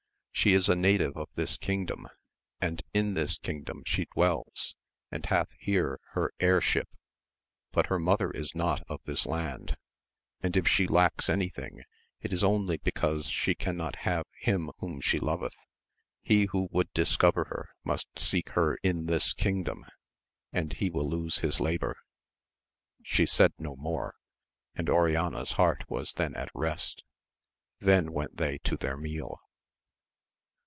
She is a native of this kingdom, and in this kingdom she dwells and hath here her heirship ; but her mother is not of this land; and if she lacks any thing it is only because she can not have him whom she loveth. He who would dis cover her must seek her in this kingdom, and he will lose his labour. She said no more, and Oriana's heart was then at rest. Then went they to their meal.